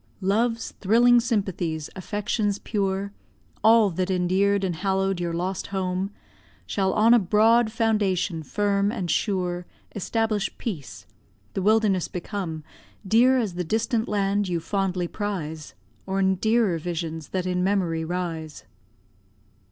Love's thrilling sympathies, affections pure, All that endear'd and hallow'd your lost home, Shall on a broad foundation, firm and sure, Establish peace; the wilderness become, Dear as the distant land you fondly prize, Or dearer visions that in memory rise.